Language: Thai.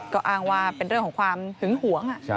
ก็อ้างว่าเป็นเรื่องของความหึงหวง